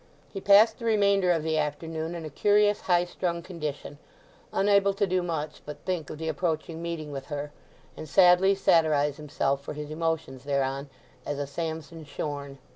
He passed the remainder of the afternoon in a curious highstrung condition, unable to do much but think of the approaching meeting with her, and sadly satirize himself for his emotions thereon, as a Samson shorn.